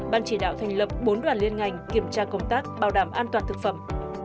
ban chỉ đạo thành lập bốn đoàn liên ngành kiểm tra công tác bảo đảm an toàn thực phẩm